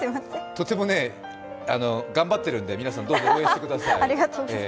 とても頑張ってるんで皆さんどうぞ応援してください。